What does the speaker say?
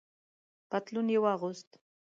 پتلون یې واغوست.